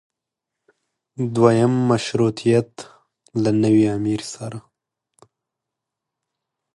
دویم مشروطیت له نوي امیر سره.